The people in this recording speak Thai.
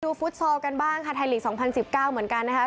ดูฟุตโชว์กันบ้างค่ะไทยหลีก๒๐๑๙เหมือนกันนะครับ